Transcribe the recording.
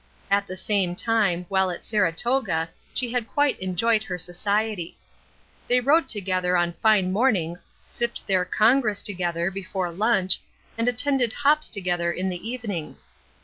At the same time, while at Saratoga, she had quite enjoyed her society. They rode together on fine mornings, sipped their "Congress" together before lunch, and attended hops together in the evenings.